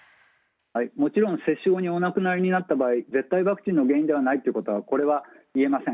もちろん接種後にお亡くなりになった場合絶対ワクチンが原因ではないということは言えません。